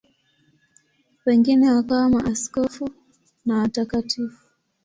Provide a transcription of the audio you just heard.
Wengine wakawa maaskofu na watakatifu.